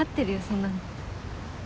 そんなの。